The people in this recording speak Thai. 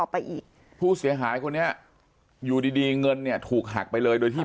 ไปอีกผู้เสียหายคนนี้อยู่ดีดีเงินเนี่ยถูกหักไปเลยโดยที่